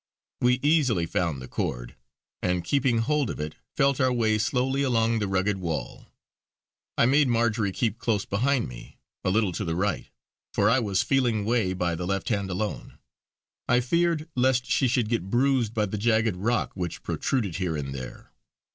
We easily found the cord, and keeping hold of it, felt our way slowly along the rugged wall. I made Marjory keep close behind me, a little to the right, for I was feeling way by the left hand alone. I feared lest she should get bruised by the jagged rock which protruded here and there.